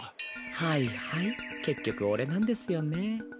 はいはい結局俺なんですよね。